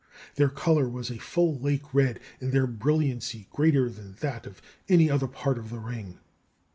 Their colour was a full lake red, and their brilliancy greater than that of any other part of the ring."